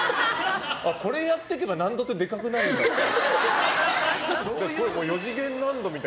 あ、これやってけば納戸ってでかくなるって。